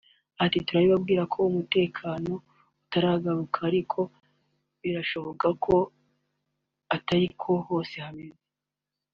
Ati “Turabibabwira ko umutekano utaragaruka ariko birashoboka ko atari ko hose hameze